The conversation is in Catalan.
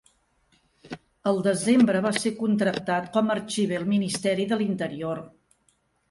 El desembre va ser contractat com a arxiver al Ministeri de l'Interior.